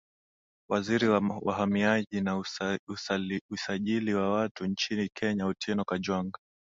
waziri wa wahamiaji na usajili wa watu nchini kenya otieno kajwang